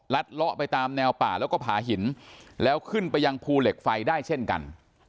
เลาะไปตามแนวป่าแล้วก็ผาหินแล้วขึ้นไปยังภูเหล็กไฟได้เช่นกัน